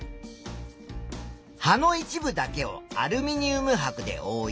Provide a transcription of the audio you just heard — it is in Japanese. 葉の一部だけをアルミニウムはくでおおい